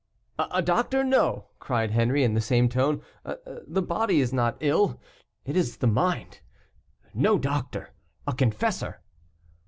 "A doctor, no," cried Henri, in the same tone, "the body is not ill, it is the mind; no doctor a confessor."